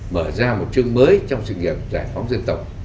mở ra một chương mới trong sự nghiệp giải phóng dân tộc